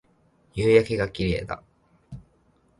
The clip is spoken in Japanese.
夕焼けが綺麗だ